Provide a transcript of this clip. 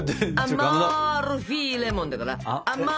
アマルフィレモンだから。